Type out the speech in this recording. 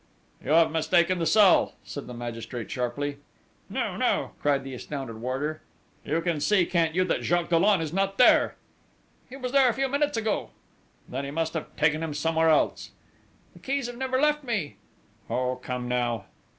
"You have mistaken the cell," said the magistrate sharply. "No, no!" cried the astounded warder. "You can see, can't you, that Jacques Dollon is not there?" "He was there a few minutes ago!" "Then they must have taken him somewhere else!" "The keys have never left me!" "Oh, come now!"